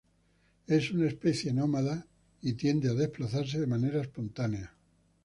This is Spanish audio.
Es una especie nómade, y tiende a desplazarse de manera espontánea.